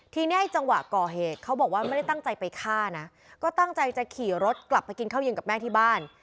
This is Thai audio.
ทีนี้จังหวะก่อเหตุเขาบอกว่าไม่ได้ตั้งใจไปฆ่านะก็ตั้งใจจะขี่รถกลับไปกินข้าวเย็นกับแม่ที่บ้าน